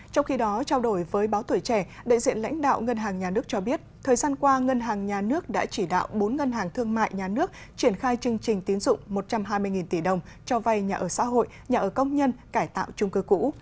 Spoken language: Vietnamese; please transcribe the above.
trong khi đó trao đổi với báo tuổi trẻ đại diện lãnh đạo ngân hàng nhà nước cho biết thời gian qua ngân hàng nhà nước đã chỉ đạo bốn ngân hàng thương mại nhà nước triển khai chương trình tiến dụng một trăm hai mươi tỷ đồng cho vay nhà ở xã hội nhà ở công nhân cải tạo trung cư cũ